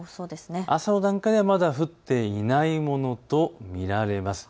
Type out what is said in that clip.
朝の段階ではまだ降っていないものと見られます。